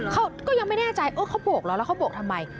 เขายังไม่เป็นแน่ใจเขาโบกแล้วเขาโบกทำไม